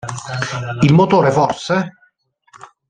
Il motore forse?